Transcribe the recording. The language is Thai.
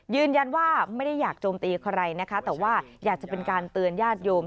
ยืนยันว่าไม่ได้อยากโจมตีใครนะคะแต่ว่าอยากจะเป็นการเตือนญาติโยม